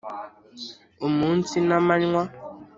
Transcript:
umunsi n'amanywa,